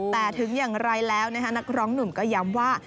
แต่ถึงอย่างไรแล้วนะคะนักร้องหนุ่มก็ย้ำว่า